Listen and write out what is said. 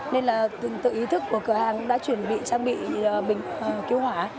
nên tự ý thức của cửa hàng đã chuẩn bị trang bị bình cứu hỏa